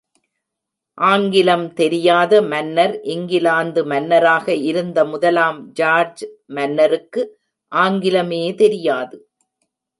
ஆங்கிலம் தெரியாத மன்னர் இங்கிலாந்து மன்னராக இருந்த முதலாம் ஜார்ஜ் மன்னருக்கு ஆங்கிலமே தெரியாது.